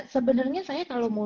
sebenernya saya kalo mau